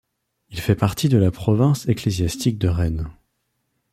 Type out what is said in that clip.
Il fait partie de la province ecclésiastique de Rennes.